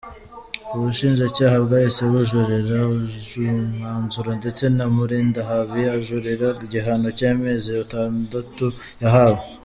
Ubushinjacyaha bwahise bujuririra uyu mwanzuro ndetse na Mulindahabi ajurira igihano cy’amezi atandatu yahawe.